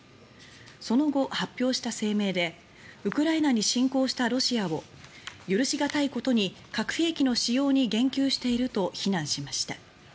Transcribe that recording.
その後、発表した声明でウクライナに侵攻したロシアを許し難いことに核兵器の使用に言及していると非難しました。